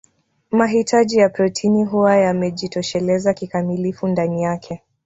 Mahitaji ya protini huwa yamejitosheleza kikamilifu ndani yake